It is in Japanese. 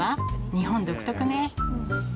日本独特ね。